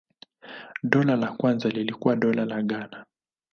Dola la kwanza lilikuwa Dola la Ghana.